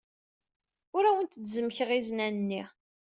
Ur awent-d-zemmkeɣ iznan-nni.